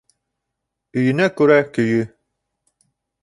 Өйөнә күрә көйө.